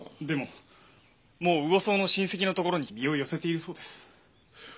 でももう魚宗の親戚のところに身を寄せているそうです。